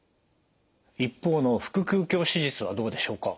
一方の腹腔鏡手術はどうでしょうか？